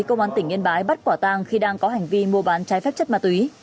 công an tỉnh yên bái bắt quả tang khi đang có hành vi mua bán trái phép chất ma túy